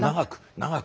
長く。